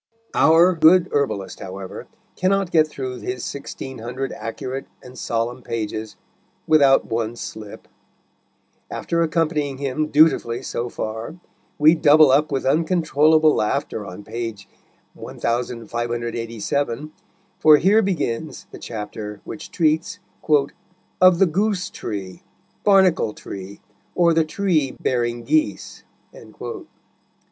Our good herbalist, however, cannot get through his sixteen hundred accurate and solemn pages without one slip. After accompanying him dutifully so far, we double up with uncontrollable laughter on p. 1587, for here begins the chapter which treats "of the Goose Tree, Barnacle Tree, or the Tree bearing Geese."